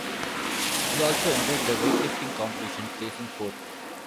He also entered the weightlifting competition, placing fourth.